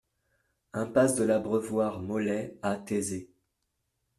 Impasse de l'Abreuvoir Maulais à Taizé